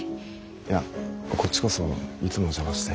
いやこっちこそいつもお邪魔して。